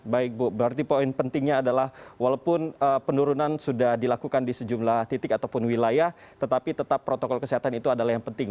baik bu berarti poin pentingnya adalah walaupun penurunan sudah dilakukan di sejumlah titik ataupun wilayah tetapi tetap protokol kesehatan itu adalah yang penting